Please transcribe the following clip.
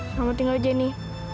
selamat tinggal jenny